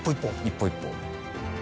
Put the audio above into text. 一歩一歩。